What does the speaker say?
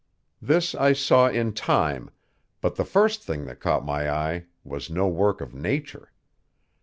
This I saw in time, but the first thing that caught my eye was no work of nature.